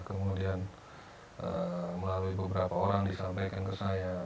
kemudian melalui beberapa orang disampaikan ke saya